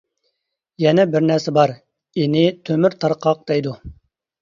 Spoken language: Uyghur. يەنە بىر نەرسە بار، ئېنى «تۆمۈر تارقاق» دەيدۇ.